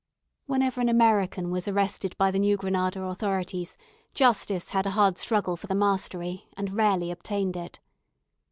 Whenever an American was arrested by the New Granada authorities, justice had a hard struggle for the mastery, and rarely obtained it.